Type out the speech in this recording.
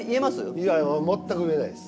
いや全く言えないです。